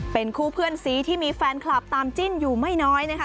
เป็นคู่เพื่อนซีที่มีแฟนคลับตามจิ้นอยู่ไม่น้อยนะคะ